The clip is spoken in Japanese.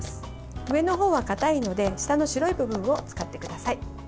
上のほうはかたいので下の白い部分を使ってください。